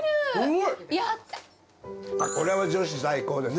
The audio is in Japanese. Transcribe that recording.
これは女子最高ですね。